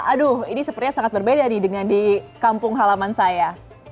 aduh ini sepertinya sangat berbeda nih dengan di kampung halaman saya